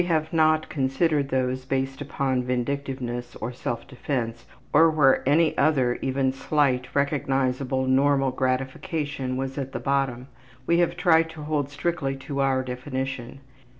We have not considered those based upon vindictiveness, or self defense, or where any other even slight, recognizable, normal gratification was at the bottom. We have tried to hold strictly to our definition.